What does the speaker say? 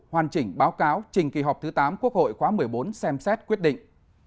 hoàn chỉnh báo cáo trình kỳ họp thứ tám quốc hội khóa một mươi bốn xem xét quyết định